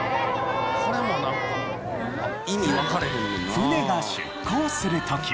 船が出航する時。